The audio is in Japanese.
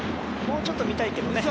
もうちょっと見たいけど。